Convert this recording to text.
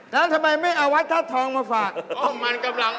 แล้วจากจากนั้นเลยหรือยัง